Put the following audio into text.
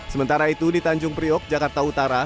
sementara itu di tanjung priok jakarta utara